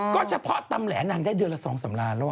ก็เฉพาะตำแหลนางได้เดือนละ๒๓ล้านแล้ว